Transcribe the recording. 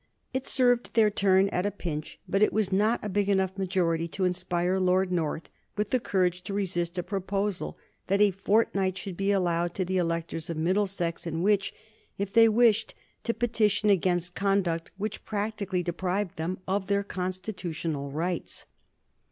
It served their turn at a pinch, but it was not a big enough majority to inspire Lord North with the courage to resist a proposal that a fortnight should be allowed to the electors of Middlesex in which, if they wished, to petition against conduct which practically deprived them of their constitutional rights.